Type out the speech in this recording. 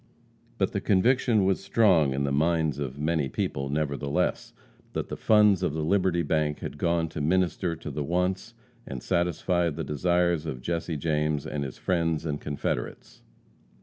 But the conviction was strong in the minds of many people, nevertheless, that the funds of the Liberty bank had gone to minister to the wants and satisfy the desires of Jesse James and his friends and confederates.